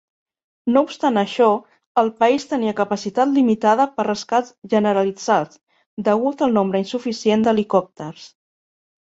No obstant això, el país tenia capacitat limitada per rescats generalitzats degut al nombre insuficient d'helicòpters.